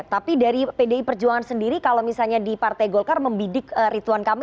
tapi dari pdi perjuangan sendiri kalau misalnya di partai golkar membidik rituan kamil